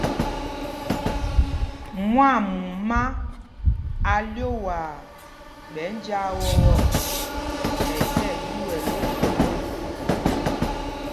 Mwaamumá a lyoowaa ɓɛ̌ njāā wɔ́ɔ́ ɔ, ɛ tí ɛɗuɛl ophómbol.